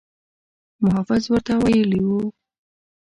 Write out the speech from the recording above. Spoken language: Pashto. محافظ ورته ویلي وو.